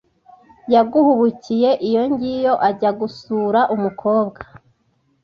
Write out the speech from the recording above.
yaguhubukiye iyo ngiyo ajya gusura umukobwa